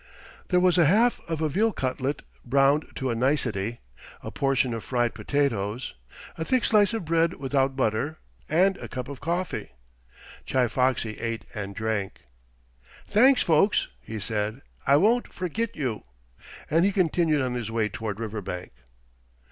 There was a half of a veal cutlet, browned to a nicety, a portion of fried potatoes, a thick slice of bread without butter, and a cup of coffee. Chi Foxy ate and drank. "Thanks, folks," he said. "I won't forgit you." And he continued on his way toward Riverbank.